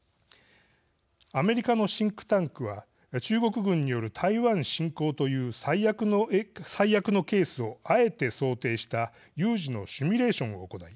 アメリカのシンクタンクは中国軍による台湾侵攻という最悪のケースをあえて想定した有事のシミュレーションを行い